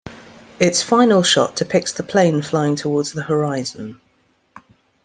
Its final shot depicts the plane flying towards the horizon.